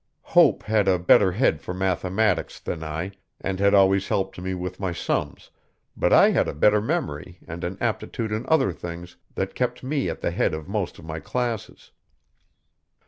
Hope had a better head for mathematics than I, and had always helped me with my sums, but I had a better memory and an aptitude in other things that kept me at the head of most of my classes.